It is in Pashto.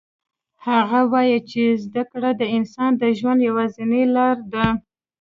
هغه وایي چې زده کړه د انسان د ژوند یوازینی لار ده